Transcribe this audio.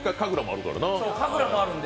神楽もあるんで。